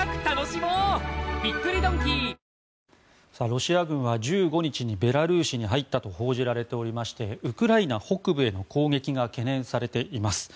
ロシア軍は１５日にベラルーシに入ったと報じられておりましてウクライナ北部への攻撃が懸念されています。